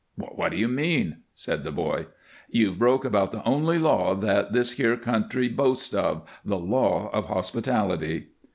"What do you mean?" said the boy. "You've broke about the only law that this here country boasts of the law of hospitality."